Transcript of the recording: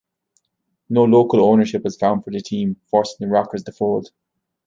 No local ownership was found for the team, forcing the Rockers to fold.